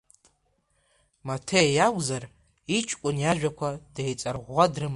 Маҭеи иакәзар, иҷкәын иажәақәа деиҵарӷәӷәа дрыман.